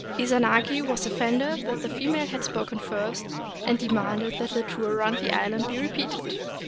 Izanagi was offended that the female had spoken first, and demanded that the tour round the island be repeated.